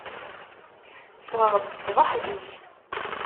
Ffɣeɣ-d ṣṣbeḥ zik.